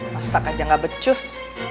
masa kajang gak becus